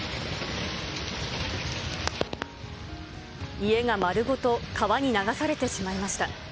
家が丸ごと、川に流されてしまいました。